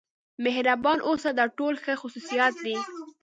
مهربان اوسه دا ټول ښه خصوصیات دي.